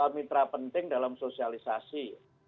mitra penting dalam sosialisasi